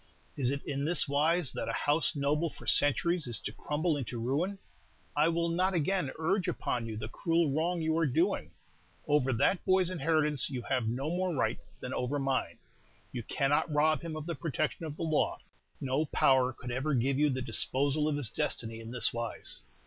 Is it in this wise that a house noble for centuries is to crumble into ruin? I will not again urge upon you the cruel wrong you are doing. Over that boy's inheritance you have no more right than over mine, you cannot rob him of the protection of the law. No power could ever give you the disposal of his destiny in this wise."